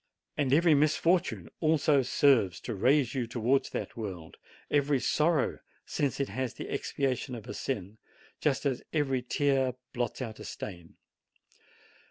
And every misfortune, also, serves to raise you towards that world ; every sorrow, since it is the expiation of a sin, just as every tear blots out a stain.